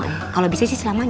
kalau bisa sih selamanya